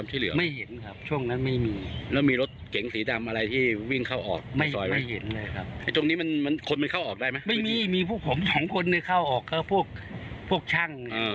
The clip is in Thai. ไม่มีมีพวกผม๒คนเลยเข้าออกเพราะพวกช่าง